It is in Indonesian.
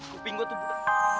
kuping gua tuh